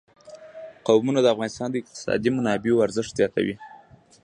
قومونه د افغانستان د اقتصادي منابعو ارزښت زیاتوي.